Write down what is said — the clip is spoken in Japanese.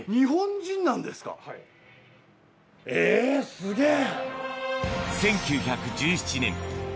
えぇすげぇ！